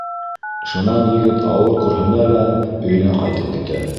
Шунан егет ауыр көрһөнә лә өйөнә ҡайтып китә.